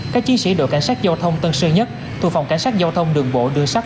các chiến sĩ đội cảnh sát giao thông tân sơn nhất thuộc phòng cảnh sát giao thông đường bộ đường sắt